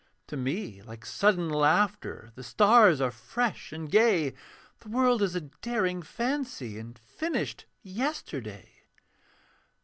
To me, like sudden laughter, The stars are fresh and gay; The world is a daring fancy, And finished yesterday.